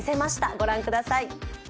御覧ください。